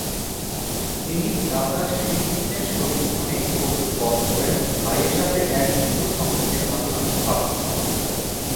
তিনি ভ্রাতা শ্রীকৃষ্ণের সহিত অনেক অসুর বধ করেন ও ভাইয়ের সাথে এক মধুর সম্পর্কের আদর্শ স্থাপন করেন।